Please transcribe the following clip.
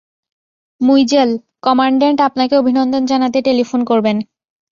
মুইজেল, commandant আপনাকে অভিনন্দন জানাতে টেলিফোন করবেন।